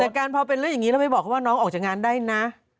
เป็นวันการพาวเป็นเรื่อยนี้เราไม่บอกว่าน้องออกจากงานได้นะ